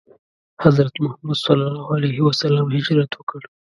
حضرت محمد ﷺ هجرت وکړ.